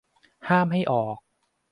ห้ามให้ออก